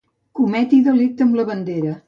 Cometi delicte amb la bandera.